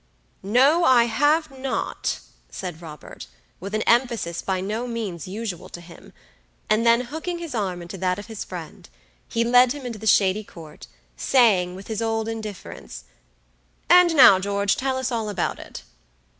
"No I have not!" said Robert, with an emphasis by no means usual to him; and then hooking his arm into that of his friend, he led him into the shady court, saying, with his old indifference, "and now, George tell us all about it."